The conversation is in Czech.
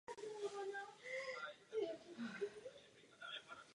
Po obsazení Rabaulu opět plnil hlídkové a eskortní povinnosti z této nové základny.